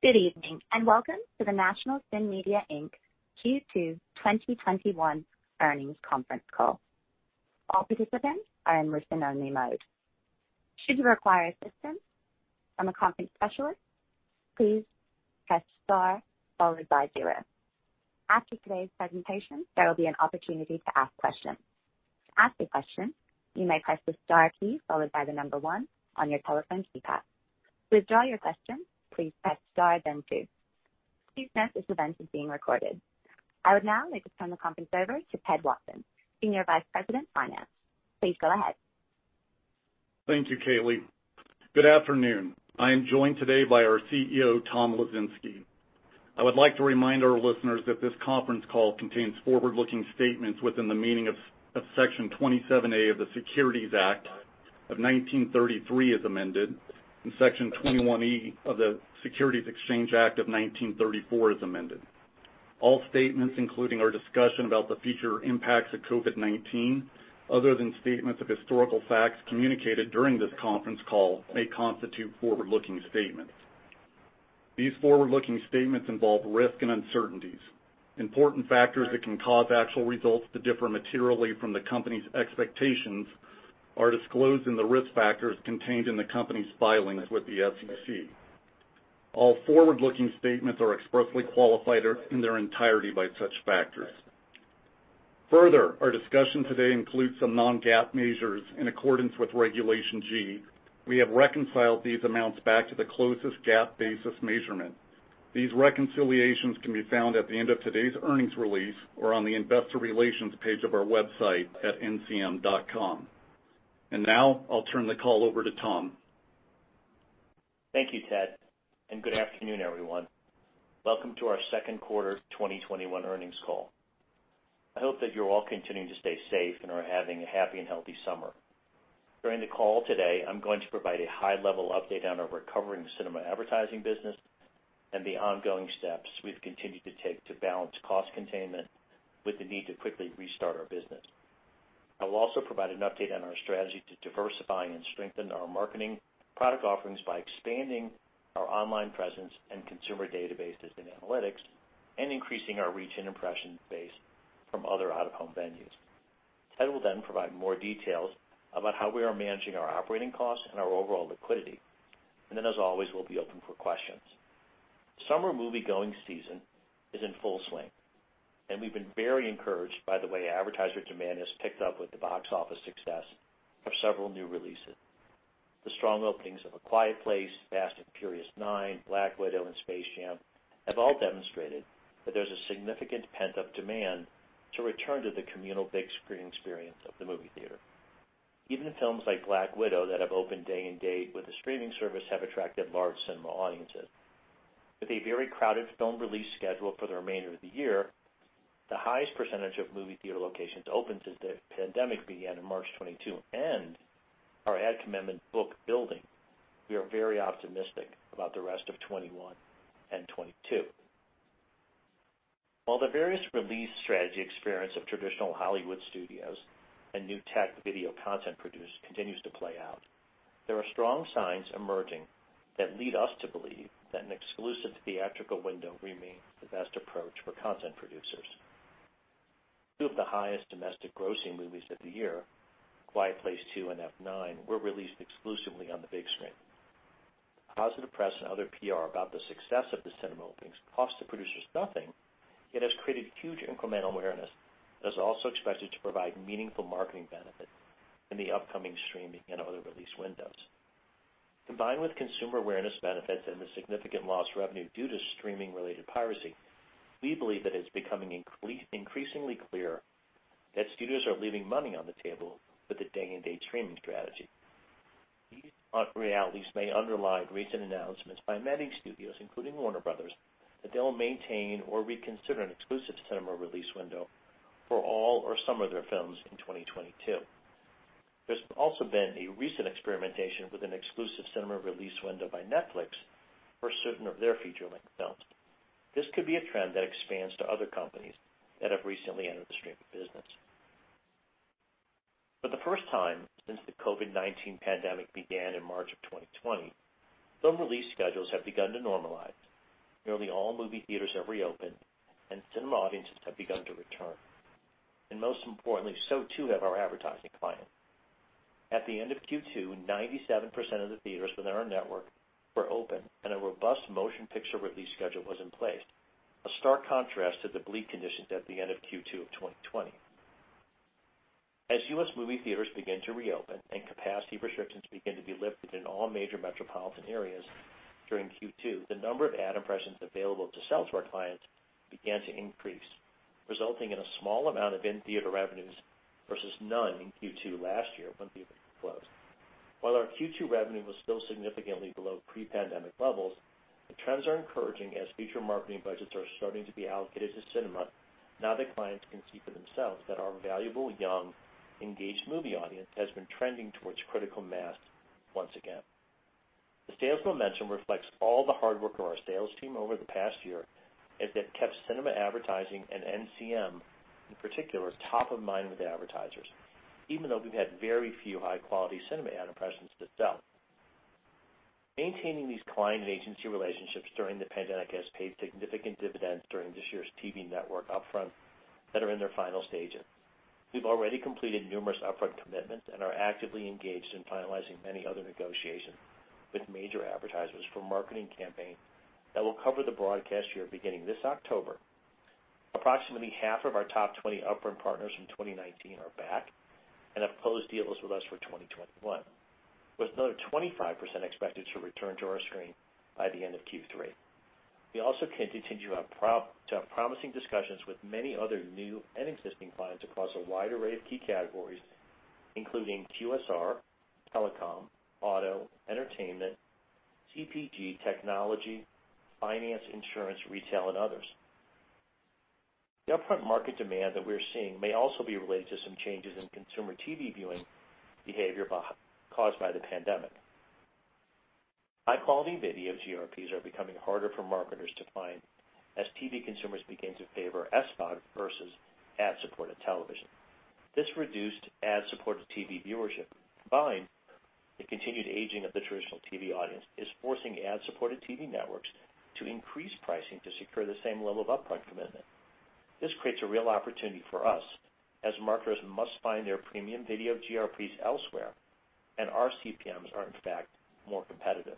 Good evening, welcome to the National CineMedia, Inc. Q2 2021 earnings conference call. I would now like to turn the conference over to Ted Watson, Senior Vice President, Finance. Please go ahead. Thank you, Kaylee. Good afternoon. I am joined today by our CEO, Tom Lesinski. I would like to remind our listeners that this conference call contains forward-looking statements within the meaning of Section 27A of the Securities Act of 1933, as amended, and Section 21E of the Securities Exchange Act of 1934, as amended. All statements, including our discussion about the future impacts of COVID-19, other than statements of historical facts communicated during this conference call, may constitute forward-looking statements. These forward-looking statements involve risk and uncertainties. Important factors that can cause actual results to differ materially from the company's expectations are disclosed in the risk factors contained in the company's filings with the SEC. All forward-looking statements are expressly qualified in their entirety by such factors. Our discussion today includes some non-GAAP measures in accordance with Regulation G. We have reconciled these amounts back to the closest GAAP-basis measurement. These reconciliations can be found at the end of today's earnings release or on the investor relations page of our website at ncm.com. Now I'll turn the call over to Tom. Thank you, Ted. Good afternoon, everyone. Welcome to our second quarter 2021 earnings call. I hope that you're all continuing to stay safe and are having a happy and healthy summer. During the call today, I'm going to provide a high-level update on our recovering cinema advertising business and the ongoing steps we've continued to take to balance cost containment with the need to quickly restart our business. I will also provide an update on our strategy to diversify and strengthen our marketing product offerings by expanding our online presence and consumer databases and analytics and increasing our reach and impression base from other out-of-home venues. Ted will provide more details about how we are managing our operating costs and our overall liquidity. As always, we'll be open for questions. Summer moviegoing season is in full swing, and we've been very encouraged by the way advertiser demand has picked up with the box office success of several new releases. The strong openings of "A Quiet Place Part II," "F9," "Black Widow," and "Space Jam: A New Legacy" have all demonstrated that there's a significant pent-up demand to return to the communal big screen experience of the movie theater. Even films like "Black Widow" that have opened day-and-date with a streaming service have attracted large cinema audiences. With a very crowded film release schedule for the remainder of the year, the highest percentage of movie theater locations open since the pandemic began in March '20, and our ad commitment book building, we are very optimistic about the rest of 2021 and 2022. While the various release strategy experience of traditional Hollywood studios and new tech video content producers continues to play out, there are strong signs emerging that lead us to believe that an exclusive theatrical window remains the best approach for content producers. Two of the highest domestic grossing movies of the year, "Quiet Place 2" and "F9," were released exclusively on the big screen. Positive press and other PR about the success of the cinema openings cost the producers nothing, yet has created huge incremental awareness that's also expected to provide meaningful marketing benefit in the upcoming streaming and other release windows. Combined with consumer awareness benefits and the significant lost revenue due to streaming-related piracy, we believe that it's becoming increasingly clear that studios are leaving money on the table with the day-and-date streaming strategy. These realities may underlie recent announcements by many studios, including Warner Bros., that they'll maintain or reconsider an exclusive cinema release window for all or some of their films in 2022. There's also been a recent experimentation with an exclusive cinema release window by Netflix for certain of their feature-length films. This could be a trend that expands to other companies that have recently entered the streaming business. For the first time since the COVID-19 pandemic began in March of 2020, film release schedules have begun to normalize. Nearly all movie theaters have reopened, cinema audiences have begun to return. Most importantly, so too have our advertising clients. At the end of Q2, 97% of the theaters within our network were open, and a robust motion picture release schedule was in place, a stark contrast to the bleak conditions at the end of Q2 of 2020. As U.S. movie theaters began to reopen and capacity restrictions began to be lifted in all major metropolitan areas during Q2, the number of ad impressions available to sell to our clients began to increase, resulting in a small amount of in-theater revenues versus none in Q2 last year when theaters were closed. While our Q2 revenue was still significantly below pre-pandemic levels, the trends are encouraging as future marketing budgets are starting to be allocated to cinema now that clients can see for themselves that our valuable, young, engaged movie audience has been trending towards critical mass once again. The sales momentum reflects all the hard work of our sales team over the past year, as they've kept cinema advertising and NCM, in particular, top of mind with advertisers. Even though we've had very few high-quality cinema ad impressions to sell. Maintaining these client and agency relationships during the pandemic has paid significant dividends during this year's TV network upfront that are in their final stages. We've already completed numerous upfront commitments and are actively engaged in finalizing many other negotiations with major advertisers for marketing campaigns that will cover the broadcast year beginning this October. Approximately half of our top 20 upfront partners from 2019 are back and have closed deals with us for 2021, with another 25% expected to return to our screen by the end of Q3. We also continue to have promising discussions with many other new and existing clients across a wide array of key categories, including QSR, telecom, auto, entertainment, CPG, technology, finance, insurance, retail, and others. The upfront market demand that we're seeing may also be related to some changes in consumer TV viewing behavior caused by the pandemic. High-quality video GRPs are becoming harder for marketers to find as TV consumers begin to favor SVOD versus ad-supported television. This reduced ad-supported TV viewership, combined with the continued aging of the traditional TV audience, is forcing ad-supported TV networks to increase pricing to secure the same level of upfront commitment. This creates a real opportunity for us as marketers must find their premium video GRPs elsewhere, and our CPMs are, in fact, more competitive.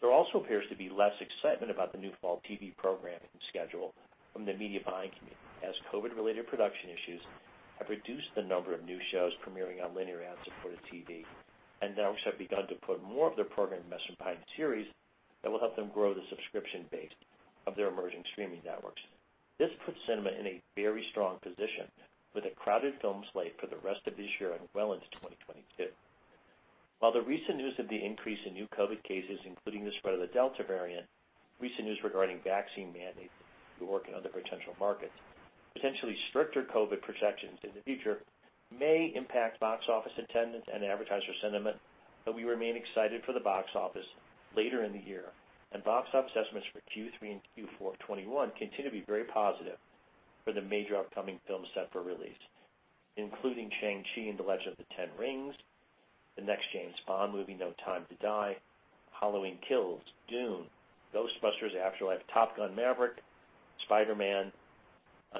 There also appears to be less excitement about the new fall TV programming schedule from the media buying community, as COVID-related production issues have reduced the number of new shows premiering on linear ad-supported TV, and networks have begun to put more of their programming investment behind series that will help them grow the subscription base of their emerging streaming networks. This puts cinema in a very strong position with a crowded film slate for the rest of this year and well into 2022. While the recent news of the increase in new COVID cases, including the spread of the Delta variant, recent news regarding vaccine mandates, New York and other potential markets, potentially stricter COVID protections in the future may impact box office attendance and advertiser sentiment, but we remain excited for the box office later in the year. Box office estimates for Q3 and Q4 of 2021 continue to be very positive for the major upcoming films set for release, including "Shang-Chi and the Legend of the Ten Rings," the next James Bond movie, "No Time to Die," "Halloween Kills," "Dune," "Ghostbusters: Afterlife," "Top Gun: Maverick," "Spider-Man: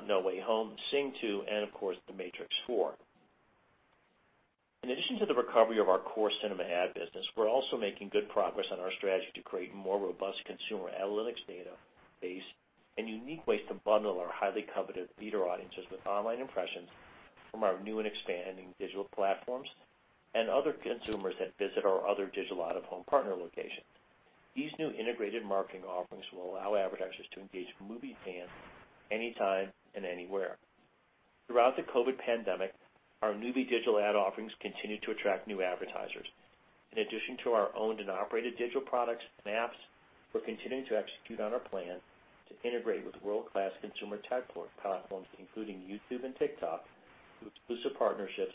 No Way Home," "Sing 2," and of course, "The Matrix 4." In addition to the recovery of our core cinema ad business, we're also making good progress on our strategy to create more robust consumer analytics database, and unique ways to bundle our highly coveted theater audiences with online impressions from our new and expanding digital platforms and other consumers that visit our other digital out-of-home partner locations. These new integrated marketing offerings will allow advertisers to engage movie fans anytime and anywhere. Throughout the COVID-19 pandemic, our Noovie digital ad offerings continued to attract new advertisers. In addition to our owned and operated digital products and apps, we're continuing to execute on our plan to integrate with world-class consumer tech platforms, including YouTube and TikTok, through exclusive partnerships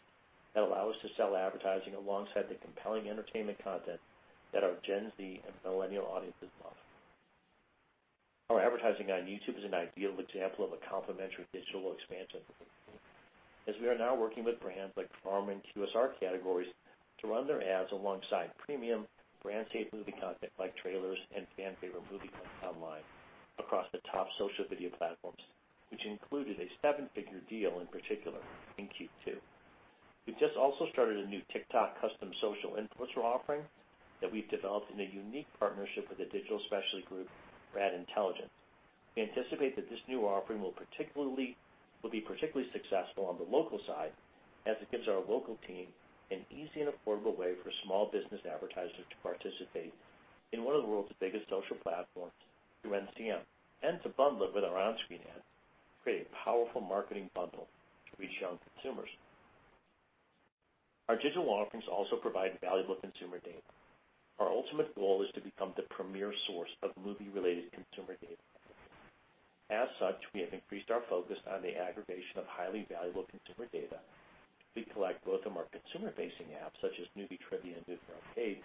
that allow us to sell advertising alongside the compelling entertainment content that our Gen Z and millennial audiences love. Our advertising on YouTube is an ideal example of a complementary digital expansion, as we are now working with brands like pharma and QSR categories to run their ads alongside premium brand safe movie content like trailers and fan favorite movie content online across the top social video platforms, which included a seven-figure deal in particular in Q2. We've just also started a new TikTok custom social influencer offering that we've developed in a unique partnership with a digital specialty group, RAD Intelligence. We anticipate that this new offering will be particularly successful on the local side, as it gives our local team an easy and affordable way for small business advertisers to participate in one of the world's biggest social platforms through NCM, and to bundle it with our on-screen ads to create a powerful marketing bundle to reach young consumers. Our digital offerings also provide valuable consumer data. Our ultimate goal is to become the premier source of movie-related consumer data. As such, we have increased our focus on the aggregation of highly valuable consumer data we collect both from our consumer-facing apps, such as Noovie Trivia and Noovie ARcade,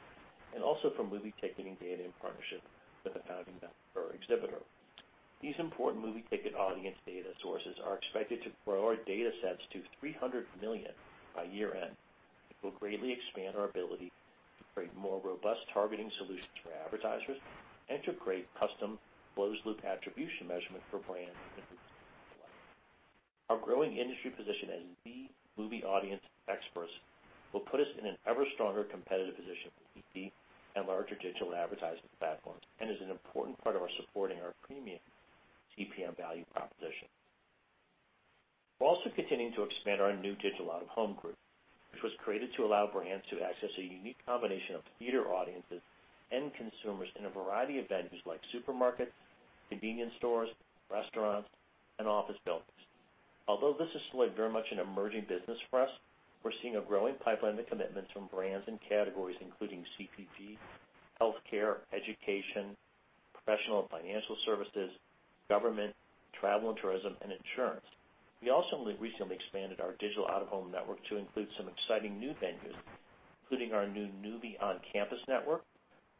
and also from movie ticketing data in partnership with the founding member exhibitor. These important movie ticket audience data sources are expected to grow our datasets to 300 million by year-end, which will greatly expand our ability to create more robust targeting solutions for advertisers and to create custom closed-loop attribution measurement for brands and movie studios alike. Our growing industry position as the movie audience experts will put us in an ever-stronger competitive position with TV and larger digital advertising platforms and is an important part of supporting our premium CPM value proposition. We're also continuing to expand our new digital out-of-home group, which was created to allow brands to access a unique combination of theater audiences and consumers in a variety of venues like supermarkets, convenience stores, restaurants, and office buildings. Although this is still very much an emerging business for us, we're seeing a growing pipeline of commitments from brands and categories, including CPG, healthcare, education, professional and financial services, government, travel and tourism, and insurance. We also only recently expanded our digital out-of-home network to include some exciting new venues, including our new Noovie On-Campus network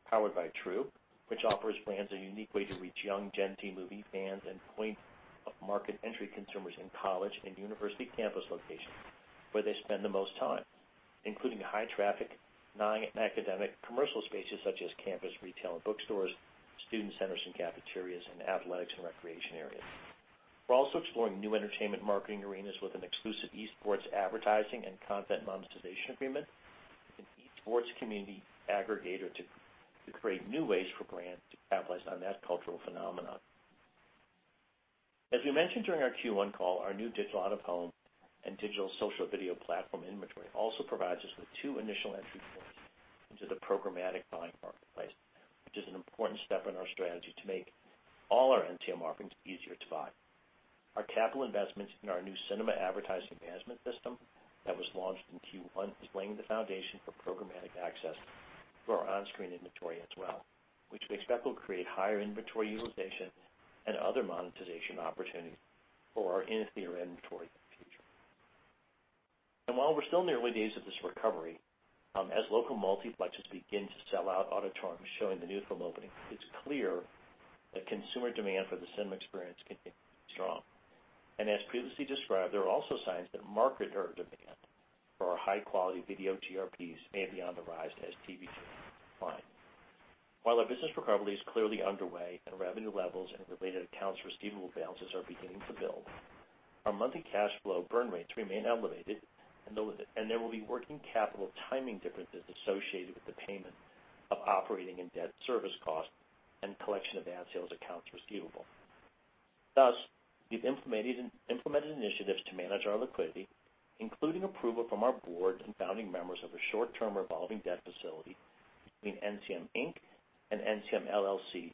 Powered by Trooh, which offers brands a unique way to reach young Gen Z movie fans and point-of-market entry consumers in college and university campus locations where they spend the most time, including high-traffic, non-academic commercial spaces such as campus retail and bookstores, student centers and cafeterias, and athletics and recreation areas. We're also exploring new entertainment marketing arenas with an exclusive e-sports advertising and content monetization agreement, an e-sports community aggregator to create new ways for brands to capitalize on that cultural phenomenon. We mentioned during our Q1 call, our new digital out-of-home and digital social video platform inventory also provides us with two initial entry points into the programmatic buying marketplace, which is an important step in our strategy to make all our NCM offerings easier to buy. Our capital investments in our new cinema advertising management system that was launched in Q1 is laying the foundation for programmatic access to our on-screen inventory as well, which we expect will create higher inventory utilization and other monetization opportunities for our in-theater inventory in the future. While we're still in the early days of this recovery, as local multiplexes begin to sell out auditoriums showing the new film openings, it's clear that consumer demand for the cinema experience continues strong. As previously described, there are also signs that market demand for our high-quality video TRPs may be on the rise as TV declines. While our business recovery is clearly underway and revenue levels and related accounts receivable balances are beginning to build, our monthly cash flow burn rates remain elevated, and there will be working capital timing differences associated with the payment of operating and debt service costs and collection of ad sales accounts receivable. Thus, we've implemented initiatives to manage our liquidity, including approval from our board and founding members of a short-term revolving debt facility between NCM Inc. and NCM LLC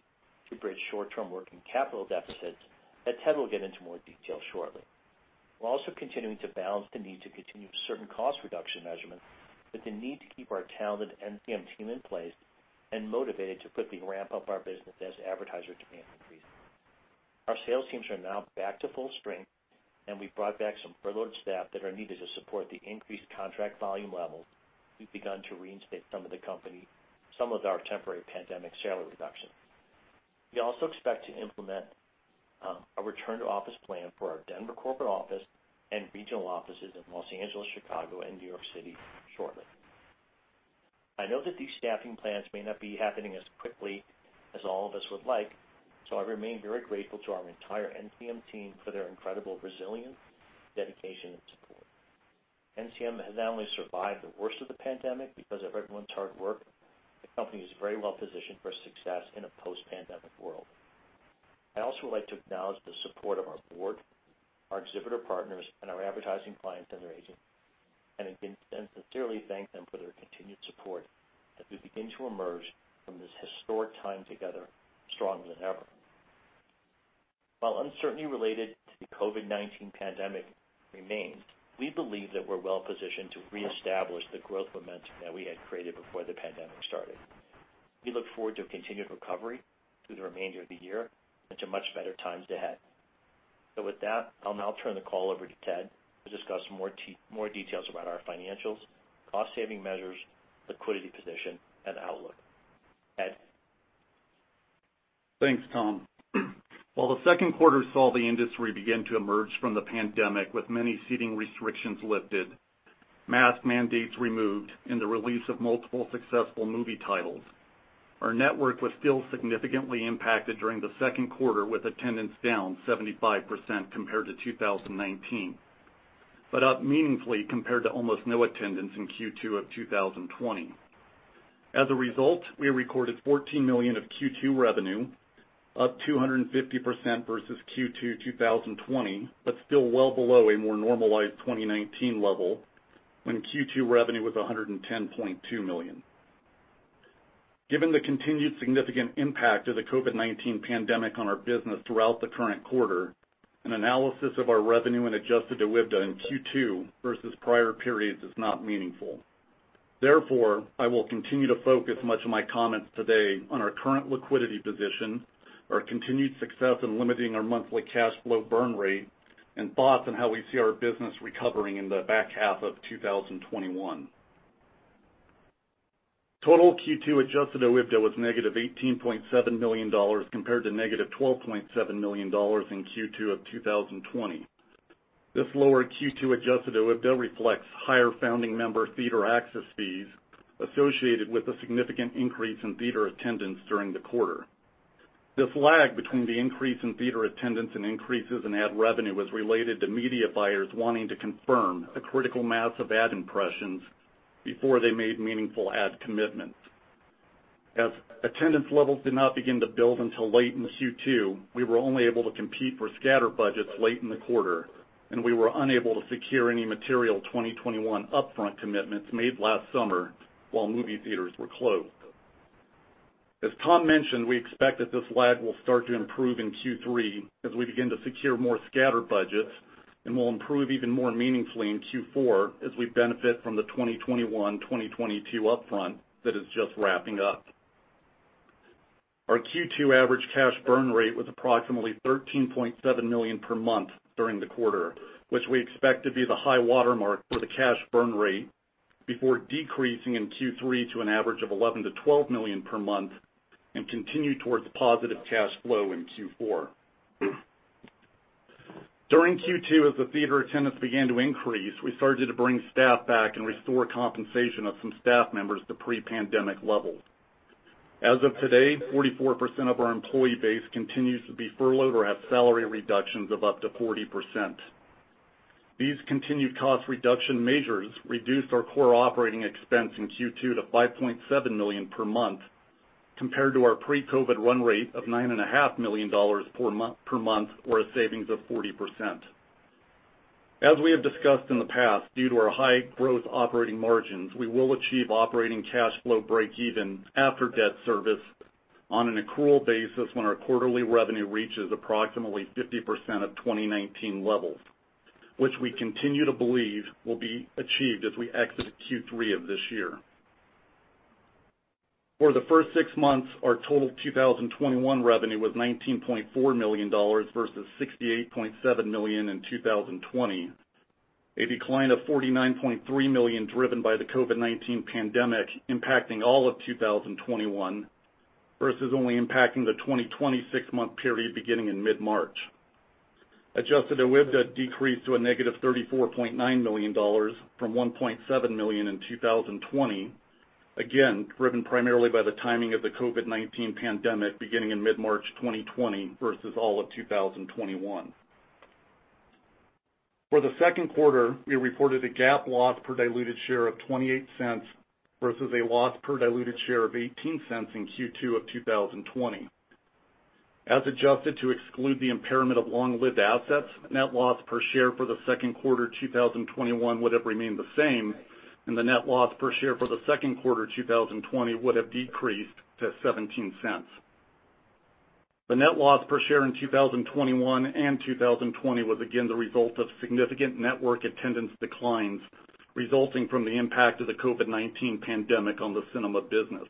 to bridge short-term working capital deficits that Ted will get into more detail shortly. We're also continuing to balance the need to continue certain cost reduction measurements with the need to keep our talented NCM team in place and motivated to quickly ramp up our business as advertiser demand increases. Our sales teams are now back to full strength, and we've brought back some furloughed staff that are needed to support the increased contract volume levels. We've begun to reinstate some of our temporary pandemic salary reductions. We also expect to implement a return-to-office plan for our Denver corporate office and regional offices in Los Angeles, Chicago, and New York City shortly. I know that these staffing plans may not be happening as quickly as all of us would like, so I remain very grateful to our entire NCM team for their incredible resilience, dedication, and support. NCM has not only survived the worst of the pandemic because of everyone's hard work, the company is very well-positioned for success in a post-pandemic world. I'd also like to acknowledge the support of our board, our exhibitor partners, and our advertising clients and their agents, and sincerely thank them for their continued support as we begin to emerge from this historic time together stronger than ever. While uncertainty related to the COVID-19 pandemic remains, we believe that we're well-positioned to reestablish the growth momentum that we had created before the pandemic started. We look forward to a continued recovery through the remainder of the year and to much better times ahead. With that, I'll now turn the call over to Ted to discuss more details about our financials, cost-saving measures, liquidity position, and outlook. Ted? Thanks, Tom. While the second quarter saw the industry begin to emerge from the pandemic with many seating restrictions lifted, mask mandates removed, and the release of multiple successful movie titles, our network was still significantly impacted during the second quarter with attendance down 75% compared to 2019, but up meaningfully compared to almost no attendance in Q2 2020. As a result, we recorded $14 million of Q2 revenue, up 250% versus Q2 2020, but still well below a more normalized 2019 level, when Q2 revenue was $110.2 million. Given the continued significant impact of the COVID-19 pandemic on our business throughout the current quarter, an analysis of our revenue and adjusted OIBDA in Q2 versus prior periods is not meaningful. Therefore, I will continue to focus much of my comments today on our current liquidity position, our continued success in limiting our monthly cash flow burn rate, and thoughts on how we see our business recovering in the back half of 2021. Total Q2 adjusted OIBDA was negative $18.7 million compared to negative $12.7 million in Q2 of 2020. This lower Q2 adjusted OIBDA reflects higher founding member theater access fees associated with a significant increase in theater attendance during the quarter. This lag between the increase in theater attendance and increases in ad revenue was related to media buyers wanting to confirm the critical mass of ad impressions before they made meaningful ad commitments. As attendance levels did not begin to build until late in Q2, we were only able to compete for scatter budgets late in the quarter, and we were unable to secure any material 2021 upfront commitments made last summer while movie theaters were closed. As Tom mentioned, we expect that this lag will start to improve in Q3 as we begin to secure more scatter budgets and will improve even more meaningfully in Q4 as we benefit from the 2021-2022 upfront that is just wrapping up. Our Q2 average cash burn rate was approximately $13.7 million per month during the quarter, which we expect to be the high watermark for the cash burn rate before decreasing in Q3 to an average of $11 million-$12 million per month and continue towards positive cash flow in Q4. During Q2, as the theater attendance began to increase, we started to bring staff back and restore compensation of some staff members to pre-pandemic levels. As of today, 44% of our employee base continues to be furloughed or have salary reductions of up to 40%. These continued cost reduction measures reduced our core operating expense in Q2 to $5.7 million per month compared to our pre-COVID run rate of $9.5 million per month, or a savings of 40%. As we have discussed in the past, due to our high growth operating margins, we will achieve operating cash flow breakeven after debt service on an accrual basis when our quarterly revenue reaches approximately 50% of 2019 levels, which we continue to believe will be achieved as we exit Q3 of this year. For the first six months, our total 2021 revenue was $19.4 million versus $68.7 million in 2020, a decline of $49.3 million driven by the COVID-19 pandemic impacting all of 2021 versus only impacting the 2020 six-month period beginning in mid-March. Adjusted OIBDA decreased to a negative $34.9 million from $1.7 million in 2020, again, driven primarily by the timing of the COVID-19 pandemic beginning in mid-March 2020 versus all of 2021. For the second quarter, we reported a GAAP loss per diluted share of $0.28 versus a loss per diluted share of $0.18 in Q2 2020. As adjusted to exclude the impairment of long-lived assets, net loss per share for the second quarter 2021 would have remained the same, and the net loss per share for the second quarter 2020 would have decreased to $0.17. The net loss per share in 2021 and 2020 was again the result of significant network attendance declines resulting from the impact of the COVID-19 pandemic on the cinema business.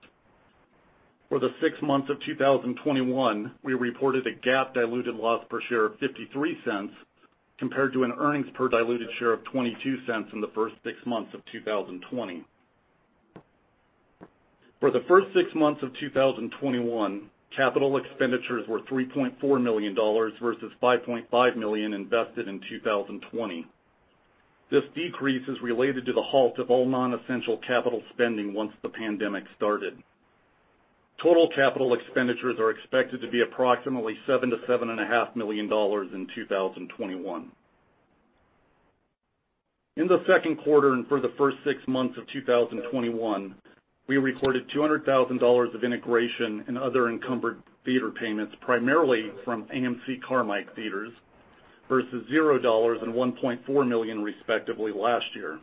For the six months of 2021, we reported a GAAP diluted loss per share of $0.53 compared to an earnings per diluted share of $0.22 in the first six months of 2020. For the first six months of 2021, capital expenditures were $3.4 million versus $5.5 million invested in 2020. This decrease is related to the halt of all non-essential capital spending once the pandemic started. Total capital expenditures are expected to be approximately $7 million-$7.5 million in 2021. In the second quarter and for the first six months of 2021, we recorded $200,000 of integration and other encumbered theater payments, primarily from AMC Carmike theaters versus $0 and $1.4 million respectively last year.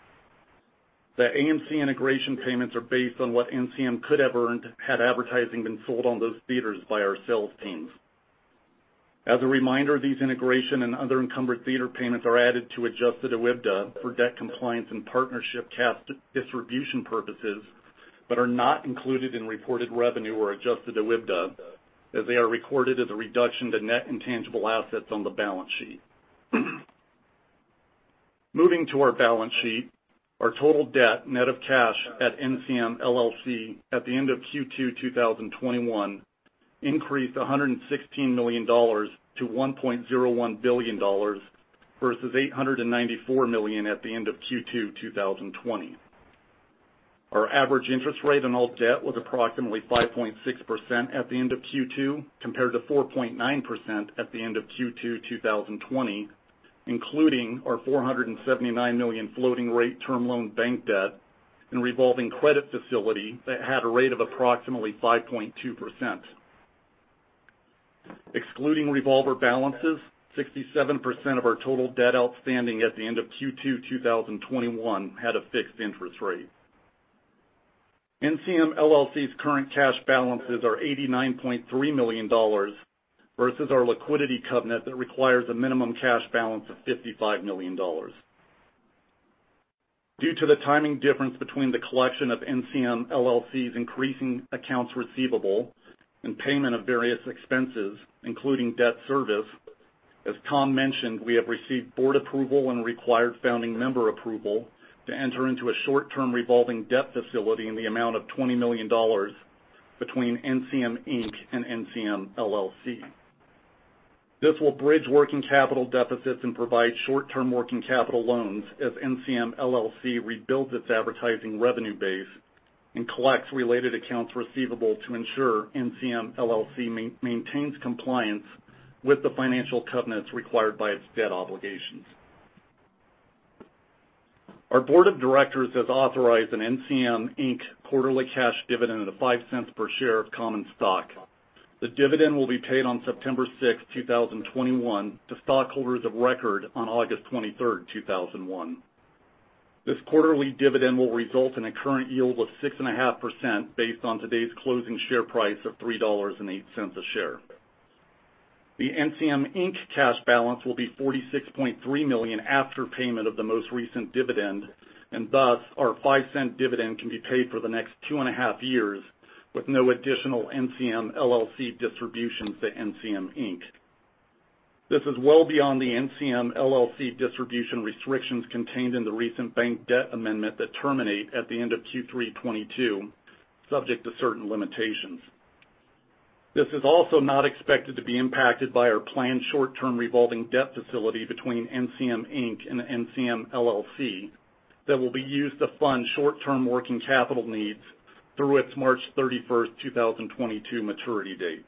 The AMC integration payments are based on what NCM could have earned had advertising been sold on those theaters by our sales teams. As a reminder, these integration and other encumbered theater payments are added to adjusted OIBDA for debt compliance and partnership cash distribution purposes but are not included in reported revenue or adjusted OIBDA, as they are recorded as a reduction to net intangible assets on the balance sheet. Moving to our balance sheet, our total debt net of cash at NCM LLC at the end of Q2 2021 increased $116 million to $1.01 billion versus $894 million at the end of Q2 2020. Our average interest rate on all debt was approximately 5.6% at the end of Q2 compared to 4.9% at the end of Q2 2020, including our $479 million floating rate term loan bank debt and revolving credit facility that had a rate of approximately 5.2%. Excluding revolver balances, 67% of our total debt outstanding at the end of Q2 2021 had a fixed interest rate. NCM LLC's current cash balances are $89.3 million versus our liquidity covenant that requires a minimum cash balance of $55 million. Due to the timing difference between the collection of NCM LLC's increasing accounts receivable and payment of various expenses, including debt service, as Tom mentioned, we have received board approval and required founding member approval to enter into a short-term revolving debt facility in the amount of $20 million between NCM Inc. and NCM LLC. This will bridge working capital deficits and provide short-term working capital loans as NCM LLC rebuilds its advertising revenue base and collects related accounts receivable to ensure NCM LLC maintains compliance with the financial covenants required by its debt obligations. Our board of directors has authorized an NCM Inc. quarterly cash dividend of $0.05 per share of common stock. The dividend will be paid on September 6th, 2021, to stockholders of record on August 23rd, 2021. This quarterly dividend will result in a current yield of 6.5% based on today's closing share price of $3.08 a share. The NCM Inc. cash balance will be $46.3 million after payment of the most recent dividend, and thus, our $0.05 dividend can be paid for the next 2.5 years with no additional NCM LLC distributions to NCM Inc. This is well beyond the NCM LLC distribution restrictions contained in the recent bank debt amendment that terminate at the end of Q3 2022, subject to certain limitations. This is also not expected to be impacted by our planned short-term revolving debt facility between NCM Inc. and NCM LLC that will be used to fund short-term working capital needs through its March 31st, 2022 maturity date.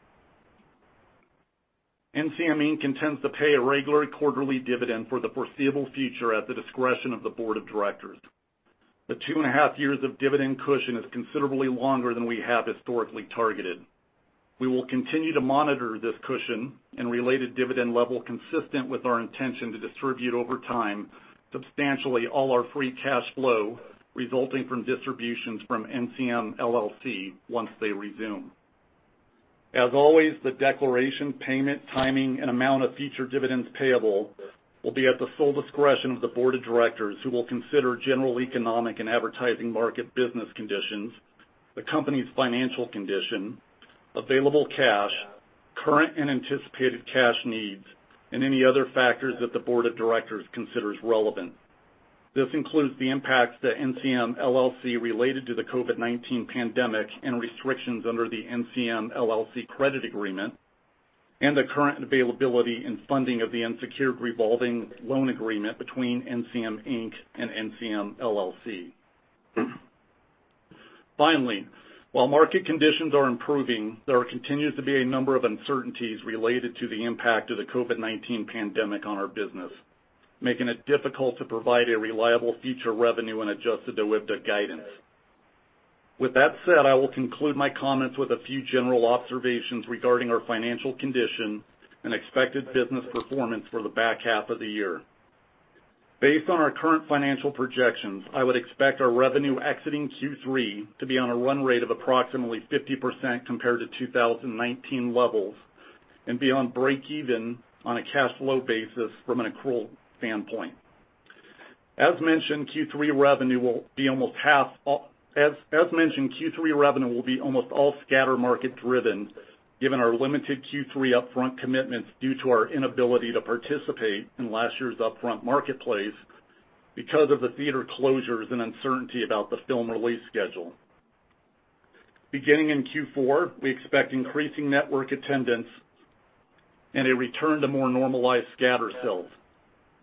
NCM Inc. intends to pay a regular quarterly dividend for the foreseeable future at the discretion of the board of directors. The two and a half years of dividend cushion is considerably longer than we have historically targeted. We will continue to monitor this cushion and related dividend level consistent with our intention to distribute over time, substantially all our free cash flow resulting from distributions from NCM LLC once they resume. As always, the declaration, payment, timing, and amount of future dividends payable will be at the sole discretion of the board of directors, who will consider general economic and advertising market business conditions, the company's financial condition, available cash, current and anticipated cash needs, and any other factors that the board of directors considers relevant. This includes the impacts to NCM LLC related to the COVID-19 pandemic and restrictions under the NCM LLC credit agreement, and the current availability and funding of the unsecured revolving loan agreement between NCM Inc. and NCM LLC. Finally, while market conditions are improving, there continues to be a number of uncertainties related to the impact of the COVID-19 pandemic on our business, making it difficult to provide a reliable future revenue and adjusted OIBDA guidance. With that said, I will conclude my comments with a few general observations regarding our financial condition and expected business performance for the back half of the year. Based on our current financial projections, I would expect our revenue exiting Q3 to be on a run rate of approximately 50% compared to 2019 levels and be on break even on a cash flow basis from an accrual standpoint. As mentioned, Q3 revenue will be almost all scatter market driven, given our limited Q3 upfront commitments due to our inability to participate in last year's upfront marketplace because of the theater closures and uncertainty about the film release schedule. Beginning in Q4, we expect increasing network attendance and a return to more normalized scatter sales.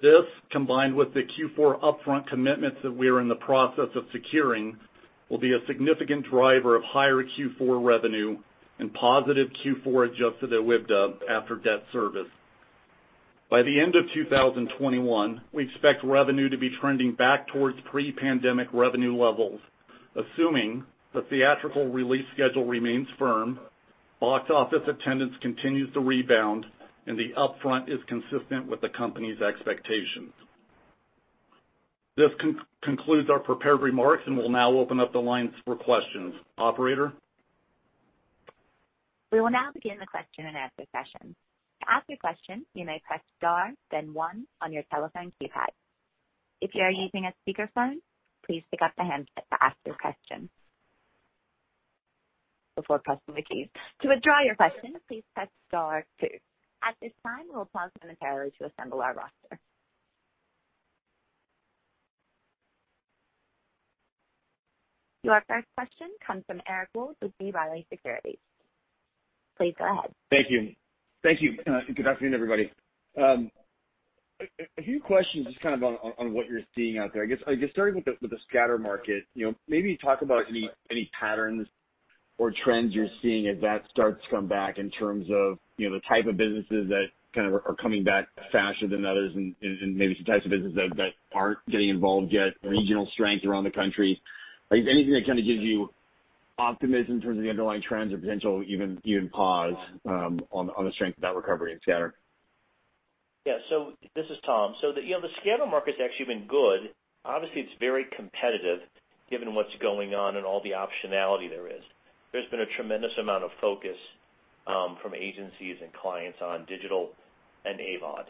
This, combined with the Q4 upfront commitments that we are in the process of securing, will be a significant driver of higher Q4 revenue and positive Q4 adjusted OIBDA after debt service. By the end of 2021, we expect revenue to be trending back towards pre-pandemic revenue levels, assuming the theatrical release schedule remains firm, box office attendance continues to rebound, and the upfront is consistent with the company's expectations. This concludes our prepared remarks, and we'll now open up the lines for questions. Operator? Your first question comes from Eric Wold with B. Riley Securities. Please go ahead. Thank you. Thank you, good afternoon, everybody. A few questions just on what you're seeing out there. I guess, starting with the scatter market. Maybe talk about any patterns or trends you're seeing as that starts to come back in terms of the type of businesses that are coming back faster than others and maybe some types of businesses that aren't getting involved yet, regional strength around the country. Is there anything that gives you optimism in terms of the underlying trends or potential even pause on the strength of that recovery in scatter? This is Tom. The scatter market's actually been good. Obviously, it's very competitive given what's going on and all the optionality there is. There's been a tremendous amount of focus from agencies and clients on digital and AVOD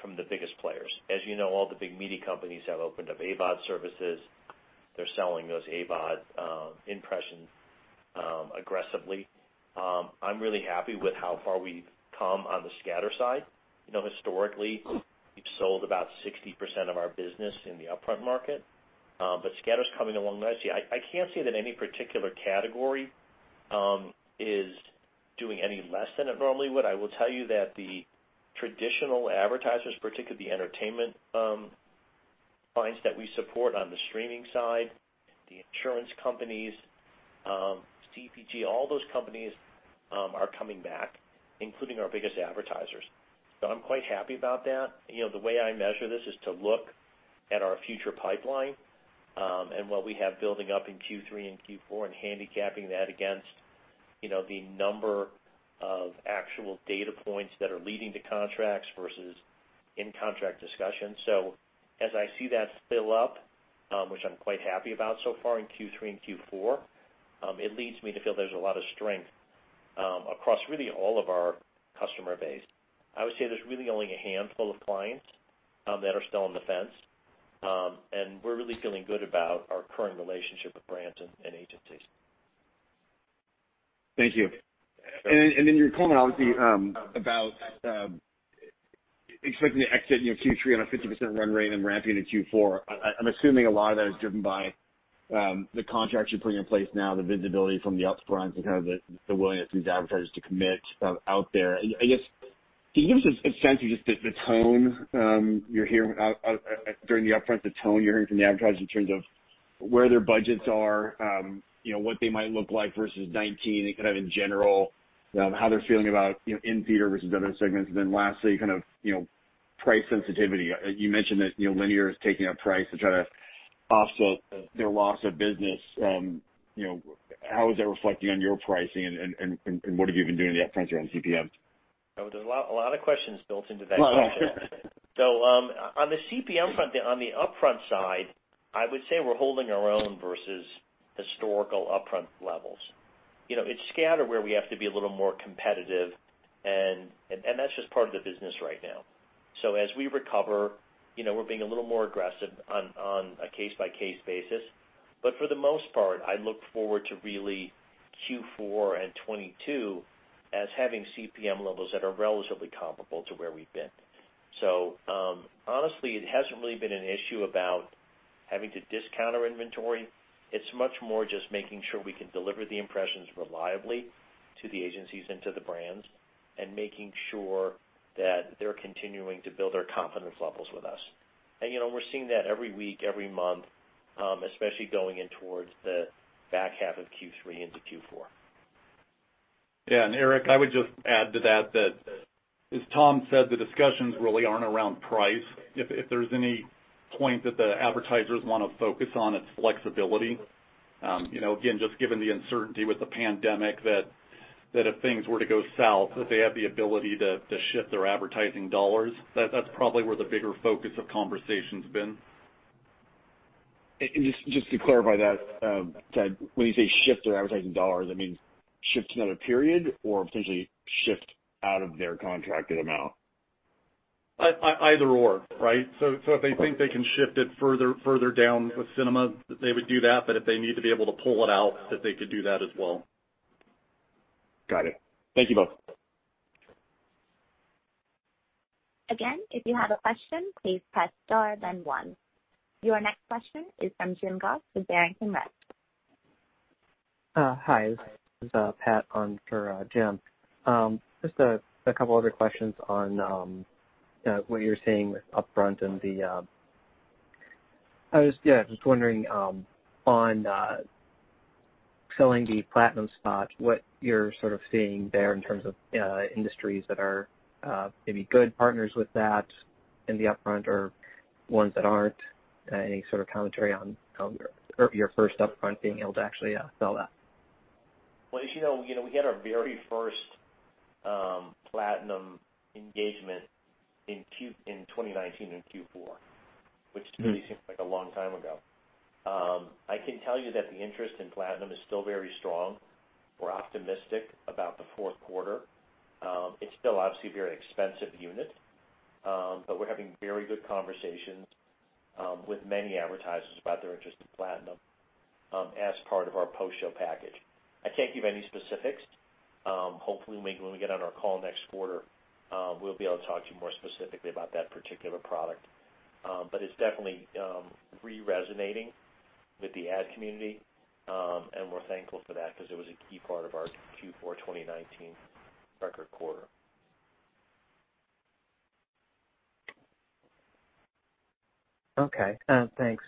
from the biggest players. As you know, all the big media companies have opened up AVOD services. They're selling those AVOD impressions aggressively. I'm really happy with how far we've come on the scatter side. Historically, we've sold about 60% of our business in the upfront market. Scatter's coming along nicely. I can't say that any particular category is doing any less than it normally would. I will tell you that the traditional advertisers, particularly the entertainment clients that we support on the streaming side, the insurance companies, CPG, all those companies are coming back, including our biggest advertisers. I'm quite happy about that. The way I measure this is to look at our future pipeline, and what we have building up in Q3 and Q4, and handicapping that against the number of actual data points that are leading to contracts versus in-contract discussions. Which I'm quite happy about so far in Q3 and Q4. It leads me to feel there's a lot of strength across really all of our customer base. I would say there's really only a handful of clients that are still on the fence. We're really feeling good about our current relationship with brands and agencies. Thank you. Your comment, obviously, about expecting to exit Q3 on a 50% run rate and then ramping in Q4, I'm assuming a lot of that is driven by the contracts you're putting in place now, the visibility from the upfront and kind of the willingness of these advertisers to commit out there. I guess, can you give us a sense of just the tone you're hearing during the upfront, the tone you're hearing from the advertisers in terms of where their budgets are, what they might look like versus 2019, and kind of in general, how they're feeling about in-theater versus other segments. Lastly, kind of price sensitivity. You mentioned that linear is taking up price to try to offset their loss of business. How is that reflecting on your pricing and what have you been doing in the upfront around CPMs? There's a lot of questions built into that question. On the CPM front, on the upfront side, I would say we're holding our own versus historical upfront levels. It's scatter where we have to be a little more competitive, and that's just part of the business right now. As we recover, we're being a little more aggressive on a case-by-case basis. For the most part, I look forward to really Q4 and 2022 as having CPM levels that are relatively comparable to where we've been. Honestly, it hasn't really been an issue about having to discount our inventory. It's much more just making sure we can deliver the impressions reliably to the agencies and to the brands and making sure that they're continuing to build their confidence levels with us. We're seeing that every week, every month, especially going in towards the back half of Q3 into Q4. Yeah. Eric, I would just add to that, as Tom said, the discussions really aren't around price. If there's any point that the advertisers want to focus on, it's flexibility. Again, just given the uncertainty with the pandemic, that if things were to go south, that they have the ability to shift their advertising dollars. That's probably where the bigger focus of conversation's been. Just to clarify that, Ted, when you say shift their advertising dollars, that means shift to another period or potentially shift out of their contracted amount? Either/or, right? If they think they can shift it further down with cinema, they would do that. If they need to be able to pull it out, that they could do that as well. Got it. Thank you both. Your next question is from Jim Goss with Barrington Research. Hi, this is Pat on for Jim. Just a couple other questions on what you're seeing with upfront. I was just wondering, on selling the Platinum spot, what you're sort of seeing there in terms of industries that are maybe good partners with that in the upfront or ones that aren't. Any sort of commentary on your first upfront being able to actually sell that? Well, as you know, we had our very first Platinum engagement in 2019 in Q4, which truly seems like a long time ago. I can tell you that the interest in Platinum is still very strong. We're optimistic about the fourth quarter. It's still obviously a very expensive unit, but we're having very good conversations with many advertisers about their interest in Platinum as part of our post-show package. I can't give any specifics. Hopefully, maybe when we get on our call next quarter, we'll be able to talk to you more specifically about that particular product. It's definitely re-resonating with the ad community, and we're thankful for that because it was a key part of our Q4 2019 record quarter. Okay, thanks.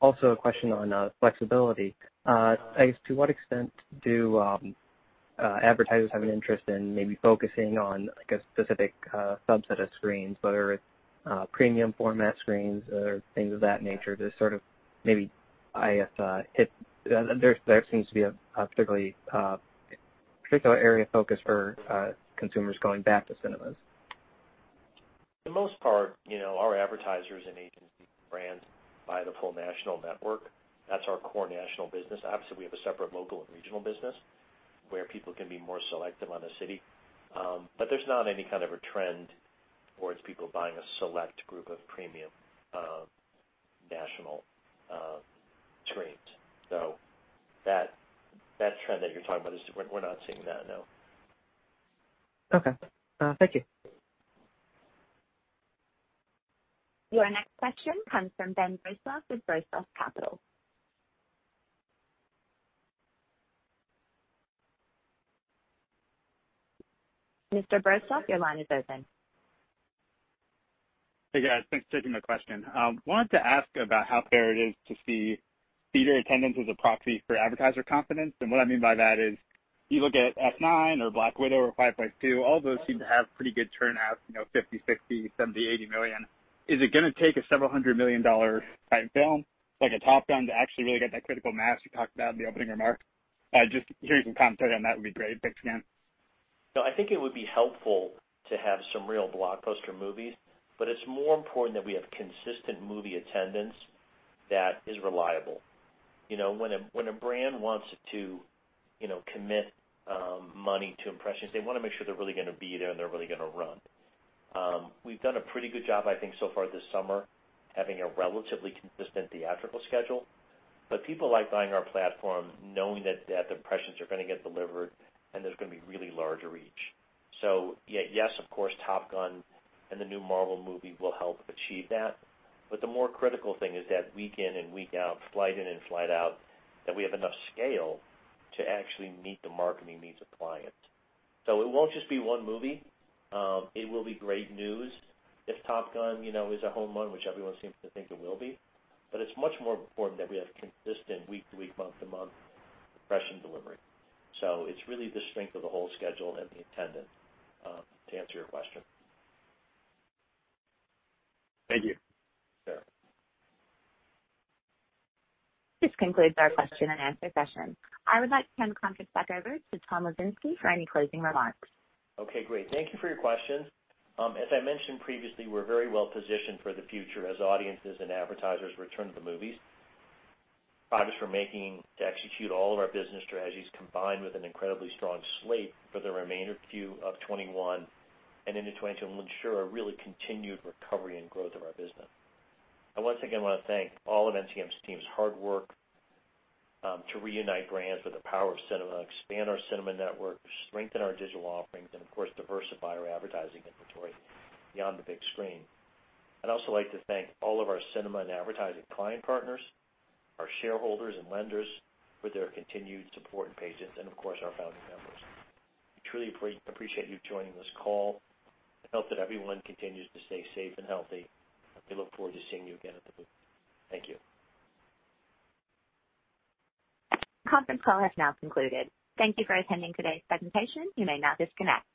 Also a question on flexibility. I guess to what extent do advertisers have an interest in maybe focusing on, I guess, specific subset of screens, whether it's premium format screens or things of that nature? There seems to be a particular area of focus for consumers going back to cinemas. For the most part, our advertisers and agency brands buy the full national network. That's our core national business. Obviously, we have a separate local and regional business where people can be more selective on the city. There's not any kind of a trend towards people buying a select group of premium national screens. That trend that you're talking about, we're not seeing that, no. Okay. Thank you. Your next question comes from Ben Brostoff with Brostoff Capital. Mr. Brostoff, your line is open. Hey, guys. Thanks for taking my question. Wanted to ask about how fair it is to see theater attendance as a proxy for advertiser confidence. What I mean by that is, you look at F9 or Black Widow or A Quiet Place Part II, all those seem to have pretty good turnout, $50 million, $60 million, $70 million, $80 million. Is it going to take a several hundred million dollar-type film, like a Top Gun to actually really get that critical mass you talked about in the opening remarks? Just hearing some commentary on that would be great. Thanks again. I think it would be helpful to have some real blockbuster movies, but it's more important that we have consistent movie attendance that is reliable. When a brand wants to commit money to impressions, they want to make sure they're really going to be there, and they're really going to run. We've done a pretty good job, I think, so far this summer, having a relatively consistent theatrical schedule. People like buying our platform knowing that the impressions are going to get delivered and there's going to be really large reach. Yes, of course, Top Gun and the new Marvel movie will help achieve that. The more critical thing is that week in and week out, flight in and flight out, that we have enough scale to actually meet the marketing needs of clients. It won't just be one movie. It will be great news if "Top Gun" is a home run, which everyone seems to think it will be. It's much more important that we have consistent week-to-week, month-to-month impression delivery. It's really the strength of the whole schedule and the attendance, to answer your question. Thank you. Sure. This concludes our question and answer session. I would like to turn the conference back over to Tom Lesinski for any closing remarks. Okay, great. Thank you for your questions. As I mentioned previously, we're very well-positioned for the future as audiences and advertisers return to the movies. Progress we're making to execute all of our business strategies, combined with an incredibly strong slate for the remainder Q of 2021 and into 2022, will ensure a really continued recovery and growth of our business. I once again want to thank all of NCM's team's hard work to reunite brands with the power of cinema, expand our cinema network, strengthen our digital offerings, and of course, diversify our advertising inventory beyond the big screen. I'd also like to thank all of our cinema and advertising client partners, our shareholders and lenders for their continued support and patience, and of course, our founding members. We truly appreciate you joining this call and hope that everyone continues to stay safe and healthy, and we look forward to seeing you again at the movies. Thank you. This conference call has now concluded. Thank you for attending today's presentation. You may now disconnect.